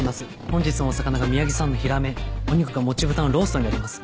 本日のお魚が宮城産のひらめお肉がもち豚のローストになります。